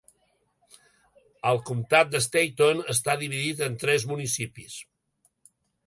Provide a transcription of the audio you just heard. El comtat de Stanton està dividit en tres municipis.